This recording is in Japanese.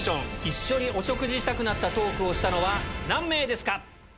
一緒にお食事したくなったトークをしたのは何名ですか？